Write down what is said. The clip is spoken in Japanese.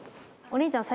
お兄ちゃん